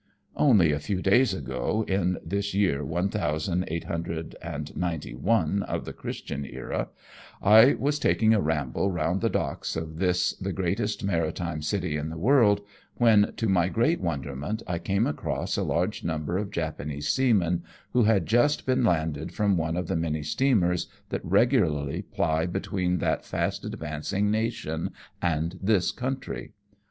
Only a few days ago, in this year one thousand eight hundred and ninety one of the Christian era, I was taking a ramble round the docks of this the greatest maritime city in the world, when, to my great wonderment, I came across a large number of Japanese seamen who had just been landed from one of the many steamers that regularly ply between that fast advancing nation and this country.